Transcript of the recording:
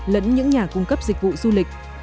lẫn những nhà cung cấp dịch vụ du lịch